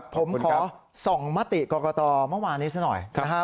ผมขอส่องมติกรกตเมื่อวานนี้ซะหน่อยนะฮะ